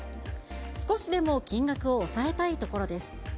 少しでも金額を抑えたいところです。